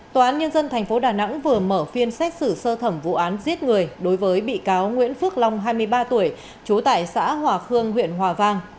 tòa án nhân dân tp đà nẵng vừa mở phiên xét xử sơ thẩm vụ án giết người đối với bị cáo nguyễn phước long hai mươi ba tuổi trú tại xã hòa khương huyện hòa vang